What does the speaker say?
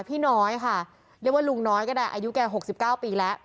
พี่น้อยค่ะเรียกว่าลุงน้อยก็ได้อายุแก๖๙ปีแล้ว